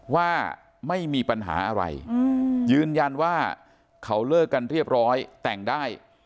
ว่าไม่มีปัญหาอะไรยืนยันว่าเขาเลิกกันเรียบร้อยแต่งได้